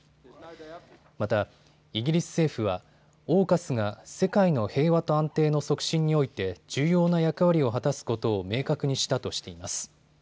また、イギリス政府はＡＵＫＵＳが世界の平和と安定の促進において重要な役割を果たすことを明確にしたとしています。